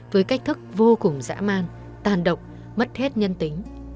với cách thức vô cùng dã man tàn độc mất hết nhân tính